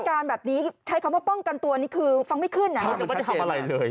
การแบบนี้ใช้คำว่าป้องกันตัวนี่คือฟังไม่ขึ้น